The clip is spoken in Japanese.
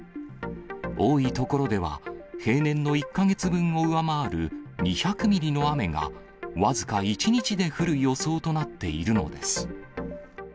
多い所では、平年の１か月分を上回る、２００ミリの雨が僅か１日で降る予想となっているのです。